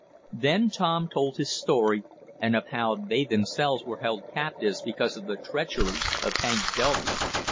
Then Tom told his story, and of how they themselves were held captives because of the treachery of Hank Delby.